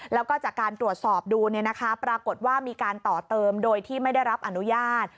แล้วก็จากการตรวจสอบดูปรากฏว่ามีการต่อเติมโดยที่ไม่ได้รับอนุญาต